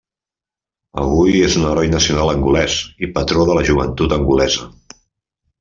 Avui és un heroi nacional angolès i patró de la joventut angolesa.